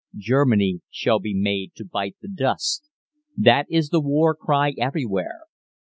Germany shall be made to bite the dust. That is the war cry everywhere.